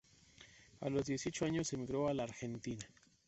A los dieciocho años emigró a la Argentina.